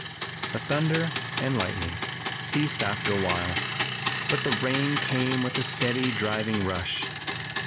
The thunder and lightning ceased after a while, but the rain came with a steady, driving rush.